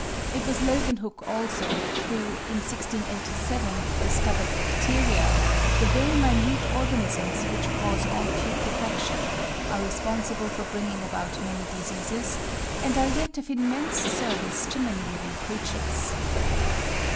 It was Leeuwenhoek also who (in 1687) discovered bacteria, the very minute organisms which cause all putrefaction, are responsible for bringing about many diseases, and are yet of immense service to many living creatures.